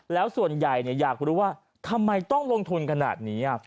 แล้วส่วนใหญ่อยากรู้ว่าทำไมต้องลงทุนขนาดนี้